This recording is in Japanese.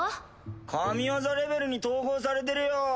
神業レベルに統合されてるよ。